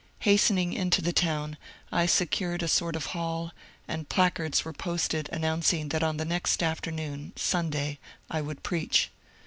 Hastening into the town I secured a sort of hall, and placards were posted announcing that on the next afternoon (Sunday) I would preach.